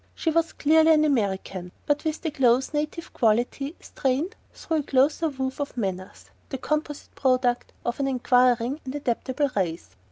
She was clearly an American, but with the loose native quality strained through a closer woof of manners: the composite product of an enquiring and adaptable race.